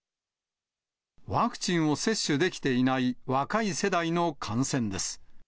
ワクチンを接種できていない若い世代への感染です。